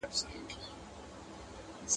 زور او ټکول د مطالعې خوند له منځه وړي.